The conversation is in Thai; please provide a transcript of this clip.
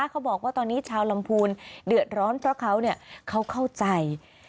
เขาบอกว่าตอนนี้ชาวลำพูนเดือดร้อนเพราะเขาเข้าใจ